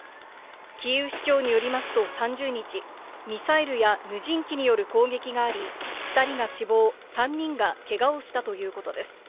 キーウ市長によりますと、３０日、ミサイルや無人機による攻撃があり、２人が死亡、３人がけがをしたということです。